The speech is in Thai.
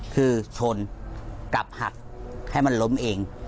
คือชนกลับหักให้มันล้มเอง